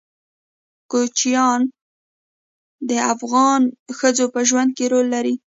کوچیان د افغان ښځو په ژوند کې رول لري.